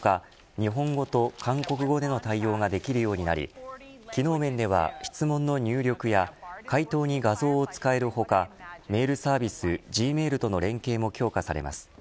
日本語と韓国語での対応ができるようになり機能面では質問の入力や回答に画像を使える他メールサービス、Ｇメールとの連携も強化されます。